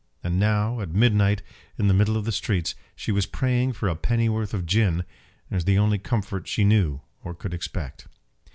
And now, at midnight, in the middle of the streets, she was praying for a pennyworth of gin, as the only comfort she knew, or could expect!